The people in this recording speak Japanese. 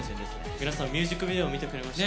皆さんミュージックビデオ見てくれました？